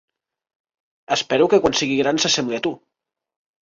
Espero que quan sigui gran s'assembli a tu.